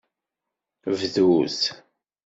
Bdut.